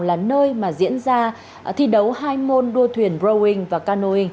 là nơi mà diễn ra thi đấu hai môn đua thuyền browing và canoing